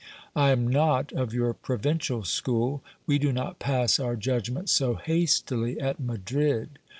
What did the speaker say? I am not of your provincial school ; we do not pass our judgment so hastily at Madrid.